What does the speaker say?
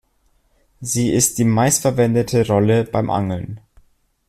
Sie ist die meistverwendete Rolle beim Angeln.